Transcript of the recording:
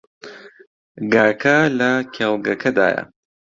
گاکە لە کێڵگەکەدایە.